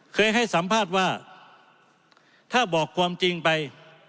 เคยให้สัมภาษณ์ว่าถ้าบอกความจริงไป